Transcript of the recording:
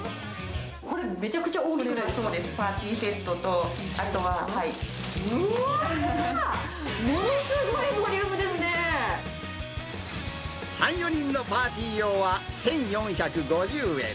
これ、めちゃくちゃ大きくなそうです、パーティーセットうわー、ものすごいボリュー３、４人用のパーティー用は１４５０円。